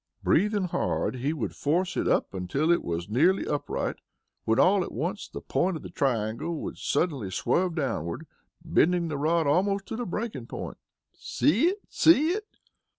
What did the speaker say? Breathing hard, he would force it up until it was nearly upright, when all at once the point of the triangle would suddenly swerve downward, bending the rod almost to the breaking point. "See it? See it?"